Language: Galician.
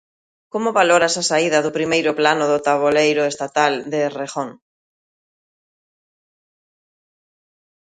Como valoras a saída do primeiro plano do taboleiro estatal de Errejón?